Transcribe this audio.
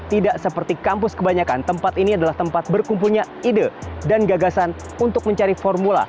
tidak seperti kampus kebanyakan tempat ini adalah tempat berkumpulnya ide dan gagasan untuk mencari formula